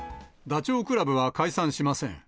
ダチョウ倶楽部は解散しません。